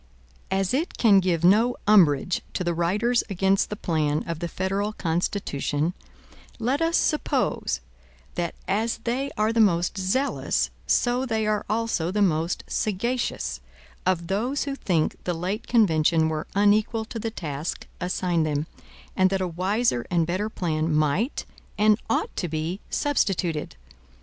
As it can give no umbrage to the writers against the plan of the federal Constitution, let us suppose, that as they are the most zealous, so they are also the most sagacious, of those who think the late convention were unequal to the task assigned them, and that a wiser and better plan might and ought to be substituted.